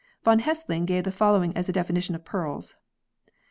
Von Hessling gave the following as a definition of pearls.